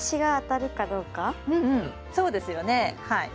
うんうんそうですよねはい。